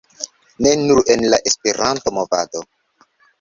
... ne nur en la Esperanto-movado